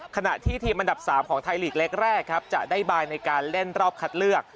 ขณะที่ทีมอันดับ๓ของไทยลีกเล็กแรกครับจะได้บายในการเล่นรอบคัดเลือก